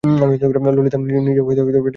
ললিতা নিজেও তো বিনয়কে সিধা করিতে পারে নাই।